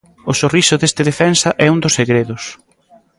O sorriso deste defensa é un dos segredos.